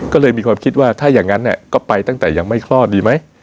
ก็เลยมีความคิดว่าถ้าอย่างนั้นก็ไปตั้งแต่ยังไม่คลอดดีไหม